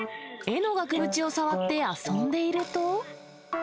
絵の額縁を触って遊んでいると。